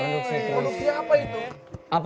produksi produksi apa itu